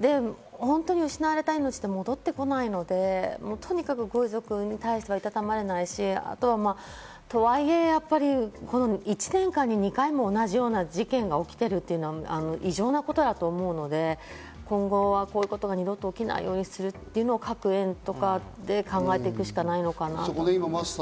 で、本当に失われた命って戻ってこないので、とにかくご遺族に対してはいたたまれないし、とはいえ、１年間に２回も同じような事件が起きてるというのは異常なことだと思うので、今後はこういうことが二度と起きないようにするということを各園とかで考えていくしかないのかなと思います。